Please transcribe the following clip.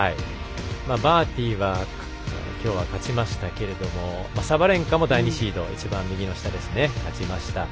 バーティはきょうは勝ちましたけれどもサバレンカも第２シード勝ちました。